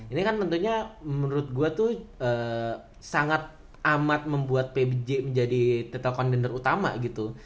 ini kan tentunya menurut gua tuh sangat amat membuat pj menjadi title contender utama gitu